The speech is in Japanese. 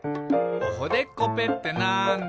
「おほでっこぺってなんだ？」